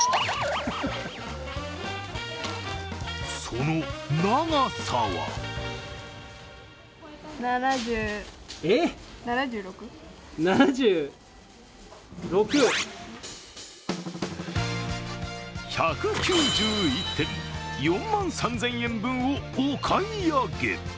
その長さは１９１点、４万３０００円分をお買い上げ